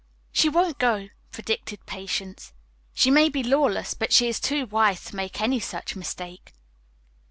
"She won't go," predicted Patience. "She may be lawless, but she is too wise to make any such mistake."